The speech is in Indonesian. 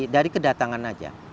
dari kedatangan saja